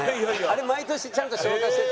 あれ毎年ちゃんと消化してる。